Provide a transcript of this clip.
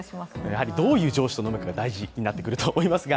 やはりどういう上司と飲むかが大事になってくると思いますが。